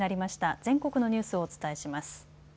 全国のニュースをお伝えします。